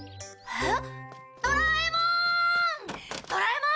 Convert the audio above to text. あっ！